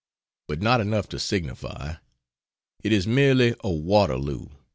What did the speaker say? But not enough to signify. It is merely a Waterloo.